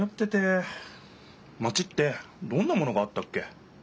マチってどんなものがあったっけ。